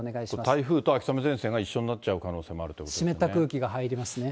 台風と秋雨前線が一緒になっちゃう可能性もあるということで湿った空気が入りますね。